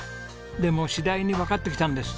でも次第にわかってきたんです。